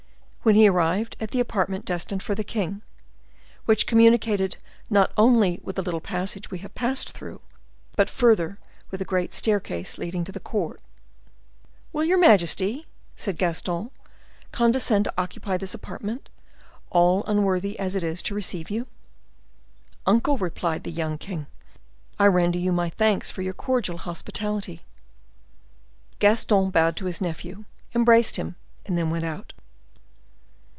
When he arrived at the apartment destined for the king, which communicated not only with the little passage we have passed through, but further with the great staircase leading to the court,— "Will your majesty," said Gaston, "condescend to occupy this apartment, all unworthy as it is to receive you?" "Uncle," replied the young king, "I render you my thanks for your cordial hospitality." Gaston bowed to his nephew, embraced him, and then went out.